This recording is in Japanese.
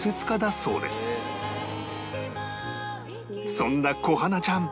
そんな小花ちゃん